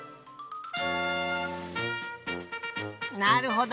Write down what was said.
なるほど。